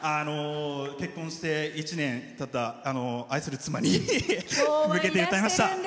結婚して１年たった愛する妻に向けて歌いました。